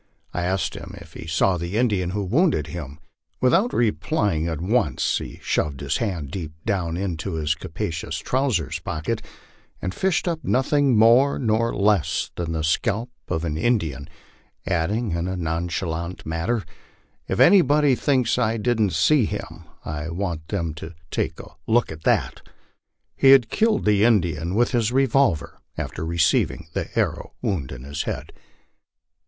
I asked him if he saw the Indian who wounded him. Without replying at once, he shoved his hand deep down into his capacious trousers pocket and fished up nothing more nor less than the scalp of an In dian, adding in a nonchalant manner, "If anybody thinks I didn't see him, I want them to take a look at that." He had killed the Indian with his revolver after receiving the arrow wound in his head.